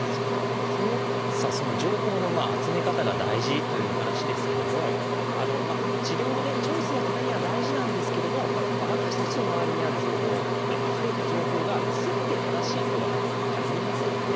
その情報の集め方が大事という話ですけども治療のチョイスのためには大事なんですけども私たちの周りにある情報あふれた情報がすべて正しいとはかぎりませんよね。